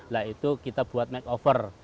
lah itu kita buat makeover